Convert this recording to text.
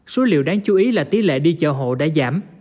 số liệu đáng chú ý là tỷ lệ đi chợ hộ đã giảm